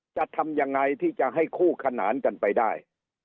จะทำยังไงที่จะให้คู่ขนานกันไปได้